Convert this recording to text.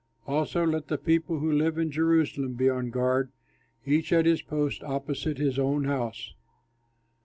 Also let the people who live in Jerusalem be on guard, each at his post opposite his own house."